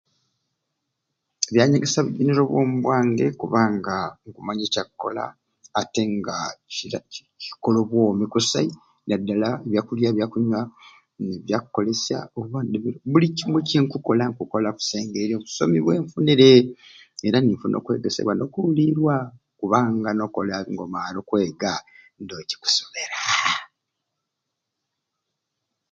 Ebyanyegesya bijunire obwoomi bwange kubanga nkumanya ekya kkola ate nga kika ki kikola obwoomi kusai naddala ebyakulya ebya kunywa ebyakkolesya obwoomi buu buli kimwe kyenkukola kikola nkusengerya busomi bwenfunire era ninfuna okwegesebwa nokubuluirwa kubanga nokola nga omaale okwega ndoowo kikusibolaaa